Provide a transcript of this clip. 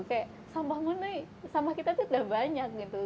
kayak sampah mana sampah kita tuh udah banyak gitu